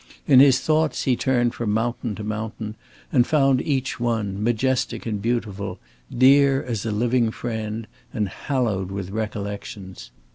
In his thoughts he turned from mountain to mountain and found each one, majestic and beautiful, dear as a living friend, and hallowed with recollections.